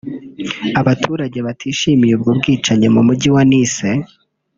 abaturage batishimiye ubwo bwicanyi mu Mujyi wa Nice